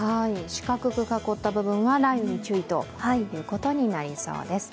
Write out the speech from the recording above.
四角く囲った部分は雷雨に注意となりそうです。